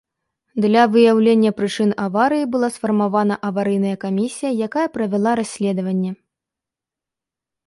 Для выяўлення прычын аварыі была сфармавана аварыйная камісія, якая правяла расследаванне.